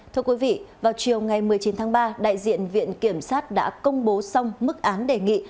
thưa quý vị vào chiều ngày một mươi chín tháng ba đại diện viện kiểm sát đã công bố xong mức án đề nghị